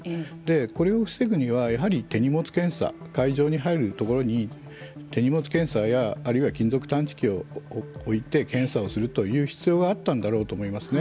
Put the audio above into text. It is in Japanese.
これを防ぐにはやはり手荷物検査会場に入るところに手荷物検査やあるいは金属探知機を置いて検査をするという必要があったんだろうなと思いますね。